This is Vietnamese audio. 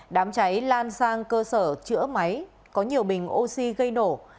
đám cháy lan sang cơ sở chữa máy có nhiều bình oxy gây nổ